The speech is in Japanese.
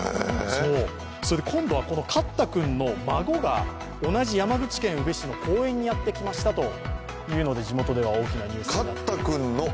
今度はカッタ君の孫が同じ山口県宇部市の公園にやってきましたというので、地元では大きなニュースになりました。